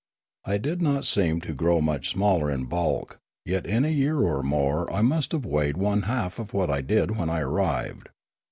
I did not seem to grow much smaller in bulk; yet in a year or more I must have weighed one half what I did when I arrived.